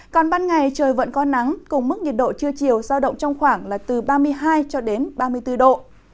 còn ban ngày trời vẫn có nắng cùng mức nhiệt độ trưa chiều giao động trong khoảng là từ ba mươi hai cho đến ba mươi bốn độ